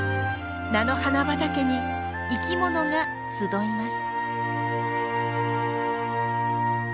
菜の花畑に生きものが集います。